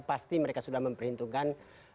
pasti mereka sudah memperhitungkan